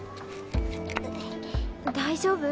大丈夫？